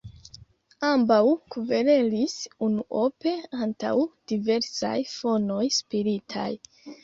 Ambaŭ kverelis, unuope antaŭ diversaj fonoj spiritaj.